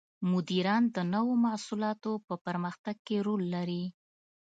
مدیران د نوو محصولاتو په پرمختګ کې رول لري.